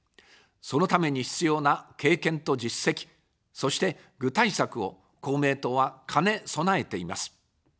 そのために必要な経験と実績、そして具体策を公明党は兼ね備えています。